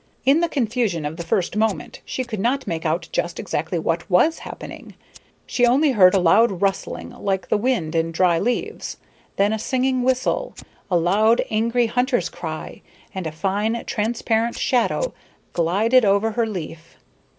In the confusion of the first moment she could not make out just exactly what was happening. She only heard a loud rustling like the wind in dry leaves, then a singing whistle, a loud angry hunter's cry. And a fine, transparent shadow glided over her leaf.